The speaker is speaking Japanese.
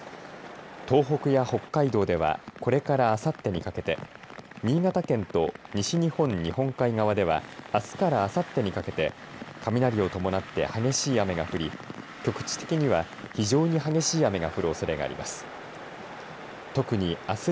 東北や北海道ではこれからあさってにかけて新潟県と西日本、日本海側ではあすから、あさってにかけて雷を伴って激しい雨が降り局地的には非常に激しい雨が降るおそれがあります。